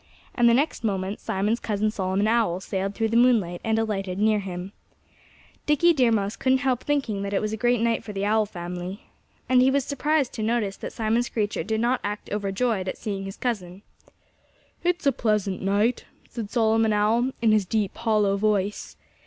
And the next moment Simon's cousin Solomon Owl sailed through the moonlight and alighted near him. Dickie Deer Mouse couldn't help thinking that it was a great night for the Owl family. And he was surprised to notice that Simon Screecher did not act overjoyed at seeing his cousin. "It's a pleasant night," said Solomon Owl in his deep, hollow voice.